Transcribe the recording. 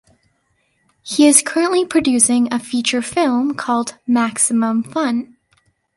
He is currently producing a feature-film called "Maximum Fun".